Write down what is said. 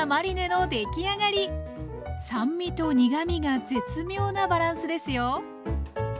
酸味と苦みが絶妙なバランスですよ。